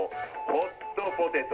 ホットポテト。